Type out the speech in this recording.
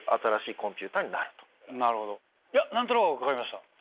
なるほど何となく分かりました。